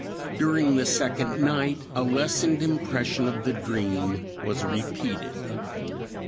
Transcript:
During the second night a lessened impression of the dream was repeated.